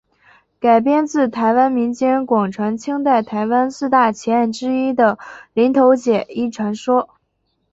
改编自台湾民间广传清代台湾四大奇案之一的林投姐一传说。